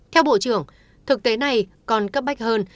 theo bộ trưởng thực tế này còn cấp bách hơn